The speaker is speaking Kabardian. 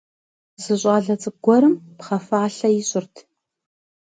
Зы щӏалэ цӏыкӏу гуэрым пхъэ фалъэ ищӏырт.